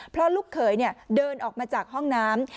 เพราะลูกเขยเดินออกมาจากห้องน้ำ